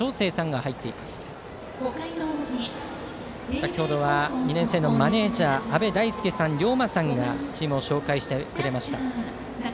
先程は２年生のマネージャー阿部大輔さん、龍馬さんがチームを紹介してくれました。